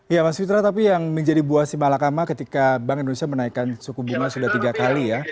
ya mas fitra tapi yang menjadi buah si malakama ketika bank indonesia menaikkan suku bunga sudah tiga kali ya